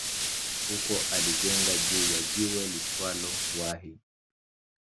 Huko alijenga juu ya jiwe liitwalo Wahi